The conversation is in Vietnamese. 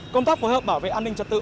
công tác phối hợp bảo vệ an ninh trật tự